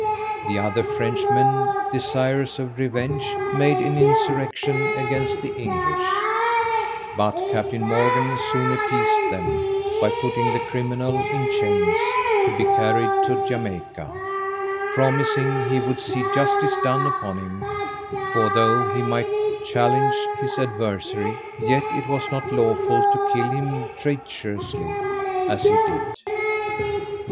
The other Frenchmen, desirous of revenge, made an insurrection against the English; but Captain Morgan soon appeased them, by putting the criminal in chains to be carried to Jamaica, promising he would see justice done upon him; for though he might challenge his adversary, yet it was not lawful to kill him treacherously, as he did.